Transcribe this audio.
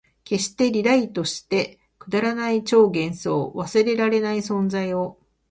消して、リライトして、くだらない超幻想、忘れらない存在感を